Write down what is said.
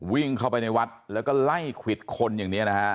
วิ่งเข้าไปในวัดแล้วก็ไล่ควิดคนอย่างนี้นะฮะ